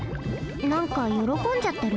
なんかよろこんじゃってる？